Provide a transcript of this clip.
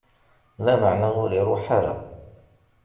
Lameɛna ur iṛuḥ ara.